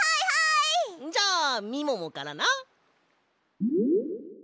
じゃあみももからな。